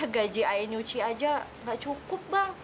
karena ayah menikah